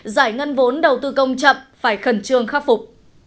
giải ngân vốn đầu tư công chậm phải khẩn trương khắc phục